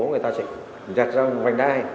người ta sẽ giặt ra một vành đai